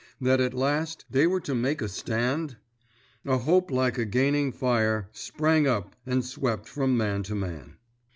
That, at last, they were to make a stand? A hope like a gaining fire sprang up and swept from man to man.